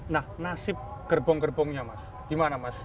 nah nasib gerbong gerbongnya gimana mas